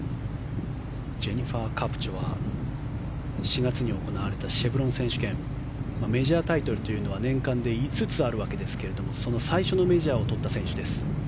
ジェニファー・カプチョは４月のシェブロン選手権メジャータイトルというのは年間で５つあるわけですがその最初のメジャーをとった選手です。